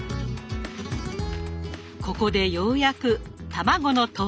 ここでようやく卵の登場。